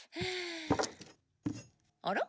あら？